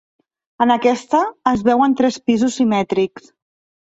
En aquesta es veuen tres pisos simètrics.